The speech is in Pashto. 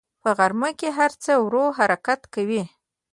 په غرمه کې هر څه ورو حرکت کوي